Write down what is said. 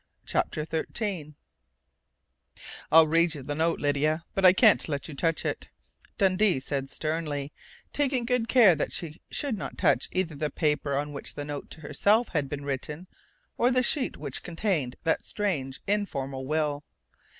CHAPTER THIRTEEN "I'll read you the note, Lydia, but I can't let you touch it," Dundee said sternly, taking good care that she should not touch either the paper on which the note to herself had been written or the sheet which contained that strange, informal will.